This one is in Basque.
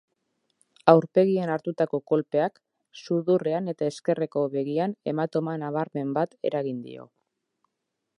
Aurpegian hartutako kolpeak, sudurrean eta ezkerreko begian hematoma nabarmen bat eragin dio.